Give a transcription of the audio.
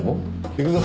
行くぞ。